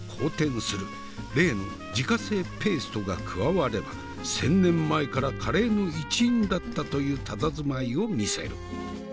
例の自家製ペーストが加われば１，０００年前からカレーの一員だったというたたずまいを見せる。